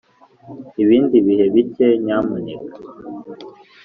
ibindi bihe bike nyamuneka